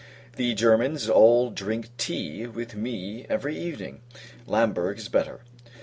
The Germans all drink tea with me every evening. Lamberg is better.